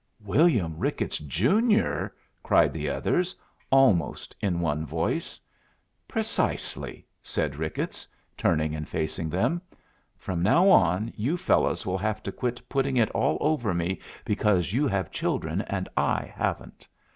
"William Ricketts, Junior?" cried the others, almost in one voice. "Precisely," said Ricketts, turning and facing them. "From now on you fellows will have to quit putting it all over me because you have children, and I haven't.